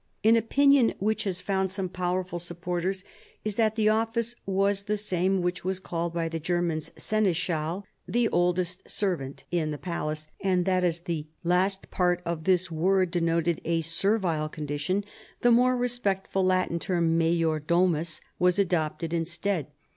An opinion which has found some powerful supporters is that the office was the same which was called by the Germans seneschal^ " the oldest serv ant " in the palace, and that as the last part of this word denoted a servile condition, the more respect ful Latin term major domus was adopted instead of it.